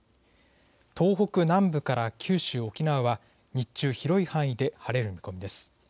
東北南部から九州、沖縄は日中、広い範囲で晴れる見込みです。